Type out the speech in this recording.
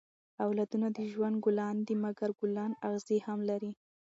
اولادونه د ژوند ګلان دي؛ مکر ګلان اغزي هم لري.